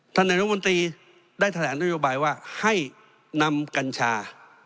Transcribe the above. นายรมนตรีได้แถลงนโยบายว่าให้นำกัญชา